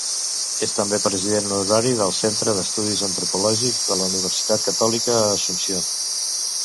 És també president honorari del Centre d'Estudis Antropològics de la Universitat Catòlica a Asunción.